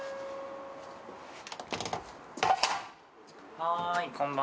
はーいこんばんは。